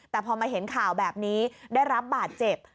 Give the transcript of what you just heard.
แต่พอมาเห็นข่าวแบบนี้ได้รับบาดเจ็บ